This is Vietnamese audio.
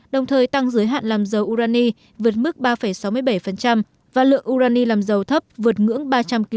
đồng thời tăng giới hạn làm dầu urani vượt mức ba sáu mươi bảy và lượng urani làm dầu thấp vượt ngưỡng ba trăm linh kg